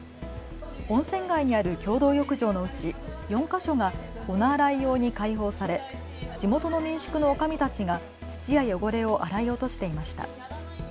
温泉街にある共同浴場のうち４か所がお菜洗い用に開放され地元の民宿のおかみたちが土や汚れを洗い落としていました。